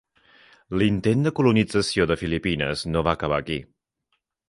L'intent de colonització de Filipines no va acabar aquí.